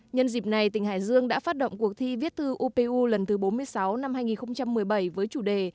nhân dịp này tỉnh hải dương đã phát động cuộc thi viết thư upu lần thứ bốn mươi sáu năm hai nghìn một mươi bảy với chủ đề